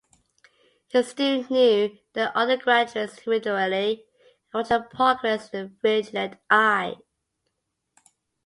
He still knew the undergraduates individually, and watched their progress with a vigilant eye.